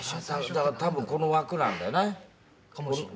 だから多分この枠なんだよね。かもしれない。